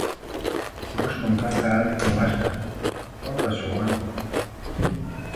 Mox noncanca atl moaxca, mota xouantoc